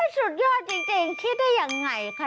สุดยอดจริงคิดได้ยังไงค่ะ